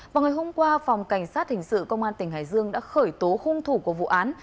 vào ngày hôm qua phòng cảnh sát hình sự công an tỉnh hải dương đã khởi tố hung thủ của vụ án